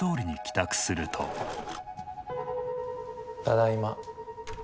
ただいま。